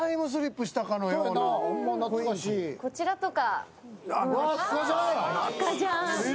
こちらとか。